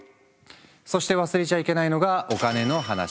そして忘れちゃいけないのがお金の話。